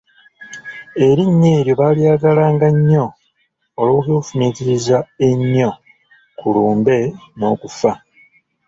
Erinnya eryo baalyagala nnyo olw'okwefumiitiriza ennyo ku lumbe n'okufa.